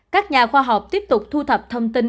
các nhà khoa học tiếp tục thu thập thông tin